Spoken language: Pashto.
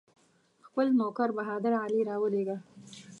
خپل نوکر بهادر علي راولېږه.